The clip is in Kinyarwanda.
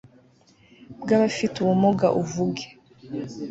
bw abafite ubumuga uvuge